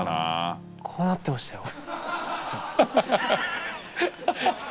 こうなってましたよ。